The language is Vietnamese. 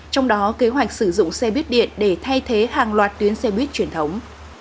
trong đó kế hoạch sử dụng xe bít điện để thay thế hàng loạt tuyến xe bít truyền thống